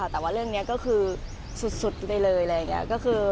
แต่ว่าเรื่องนี้ก็คือสุดไปเลย